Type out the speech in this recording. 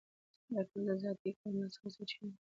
دا ټول د ذاتي کرامت څخه سرچینه اخلي.